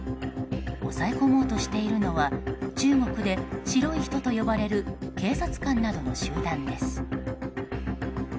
抑え込もうとしているのは中国で白い人と呼ばれる警察官などの集団です。